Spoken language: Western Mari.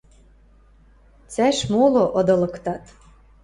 Цӓш моло ыдылыктат.